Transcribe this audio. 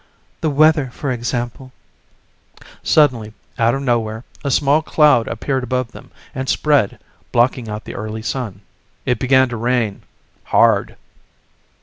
The weather, for example ..." Suddenly, out of nowhere, a small cloud appeared above them and spread, blocking out the early sun. It began to rain, hard.